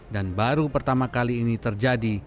dan baru pertama kali ini terjadi